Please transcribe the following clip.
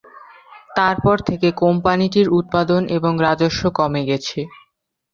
তারপর থেকে কোম্পানিটির উৎপাদন এবং রাজস্ব কমে গেছে।